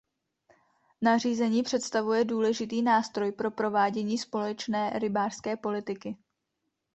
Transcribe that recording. Nařízení představuje důležitý nástroj pro provádění společné rybářské politiky.